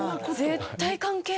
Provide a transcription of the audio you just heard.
絶対関係ない。